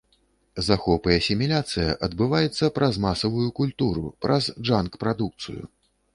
Захоп і асіміляцыя адбываецца праз масавую культуру, праз джанк-прадукцыю.